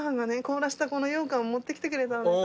凍らしたこのようかんを持ってきてくれたんです。